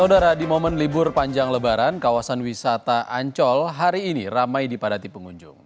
saudara di momen libur panjang lebaran kawasan wisata ancol hari ini ramai dipadati pengunjung